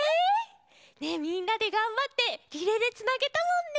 ねえみんなでがんばってリレーでつなげたもんね！